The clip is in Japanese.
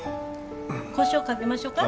こしょうかけましょか？